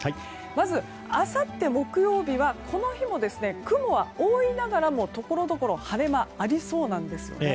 まず、あさって木曜日は雲が多いながらもところどころ晴れ間がありそうなんですね。